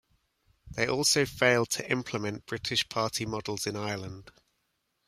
They also failed to implement British party models in Ireland.